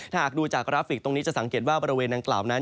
ถ้าหากดูจากกราฟิกตรงนี้จะสังเกตว่าบริเวณดังกล่าวนั้น